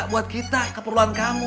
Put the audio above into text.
buat kita keperluan kamu